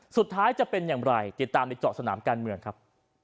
จะเป็นอย่างไรติดตามในเจาะสนามการเมืองครับ